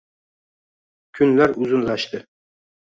Kunlar uzunlashdi